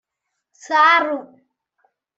சாறு!